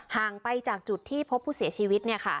ห่างไปจากจุดที่พบผู้เสียชีวิตเนี่ยค่ะ